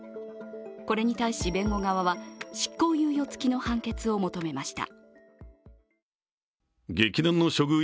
これに対し弁護側は執行猶予付きの判決を求めました。